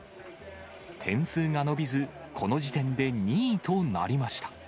点数が伸びず、この時点で２位となりました。